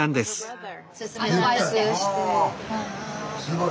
すごい。